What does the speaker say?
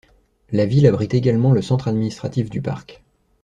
La ville abrite également le centre administratif du parc.